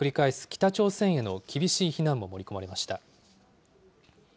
北朝鮮への厳しい非難も盛り込まれました。